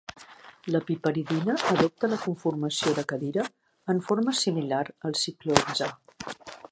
La piperidina adopta la conformació de cadira, en forma similar al ciclohexà.